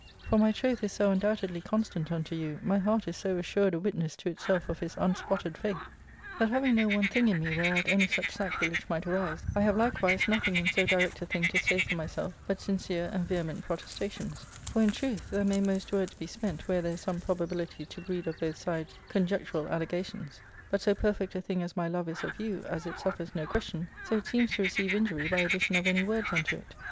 For my troth is so undoubtedly constant unto you, my heart is so assured a witness to itself of his unspotted faith, that having no one thing in me where out any such sacrilege might arise, I have likewise nothing in so direct a thing to say for myself but sincere and vehe ment protestations ; for, in truth, there may most words be spent where there is some probability to breed of both sides conjectural allegations. But so perfect a thing as my love is of you, as it suffers no question, so it seems to receive injury by addition of any words unto it.